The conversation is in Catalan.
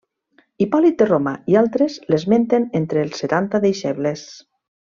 Hipòlit de Roma i altres l'esmenten entre els Setanta deixebles.